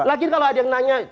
lagi kalau ada yang nanya